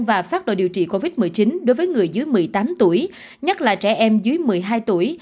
và phát đồ điều trị covid một mươi chín đối với người dưới một mươi tám tuổi nhất là trẻ em dưới một mươi hai tuổi